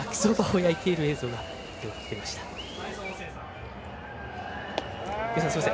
焼きそばを焼いている映像が届きました。